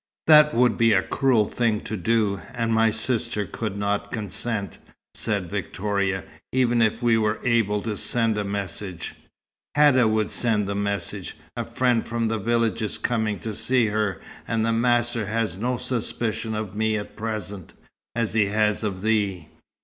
"That would be a cruel thing to do, and my sister could not consent," said Victoria, "even if we were able to send a message." "Hadda would send the message. A friend from the village is coming to see her, and the master has no suspicion of me at present, as he has of thee.